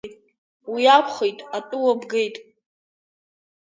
Уи акәхеит, атәыла бгеит.